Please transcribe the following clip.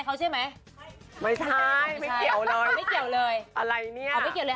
เขาใช่ไหมไม่ใช่ไม่เกี่ยวเลยไม่เกี่ยวเลยอะไรเนี่ยเอาไม่เกี่ยวเลย